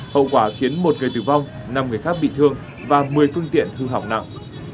hậu quả khiến một người tử vong năm người khác bị thương và một mươi phương tiện hư hỏng nặng